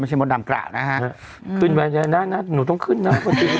คือมที่บอกว่านามกล่านะคะขึ้นไว้เนี้ยนะหนูต้องขึ้นน่ะ